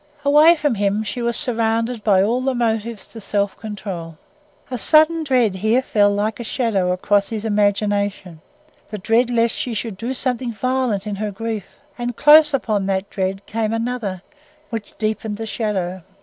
Away from him she was surrounded by all the motives to self control. A sudden dread here fell like a shadow across his imagination—the dread lest she should do something violent in her grief; and close upon that dread came another, which deepened the shadow.